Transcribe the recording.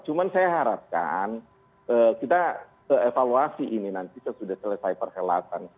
cuma saya harapkan kita evaluasi ini nanti sesudah selesai perhelatan